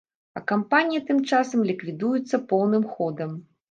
А кампанія тым часам ліквідуецца поўным ходам!